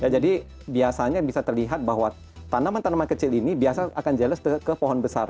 jadi biasanya bisa terlihat bahwa tanaman tanaman kecil ini biasa akan jelas ke pohon besar